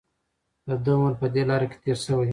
د ده عمر په دې لاره کې تېر شوی.